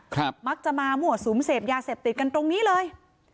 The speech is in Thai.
ครับมักจะมาหมวดสูงเสพยาเสพติดกันตรงนี้เลย